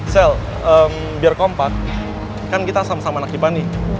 sel biar kompak kan kita sama sama nakipani